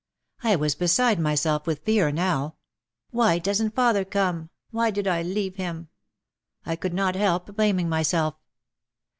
I was beside myself with fear now. "Why doesn't father come? Why did I leave him?" I could not help blaming myself.